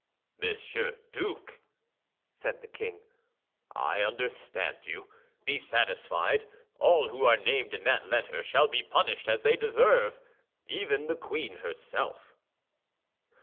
"Monsieur Duke," said the king, "I understand you. Be satisfied, all who are named in that letter shall be punished as they deserve, even the queen herself."